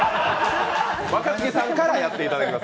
若槻さんからやっていただきます。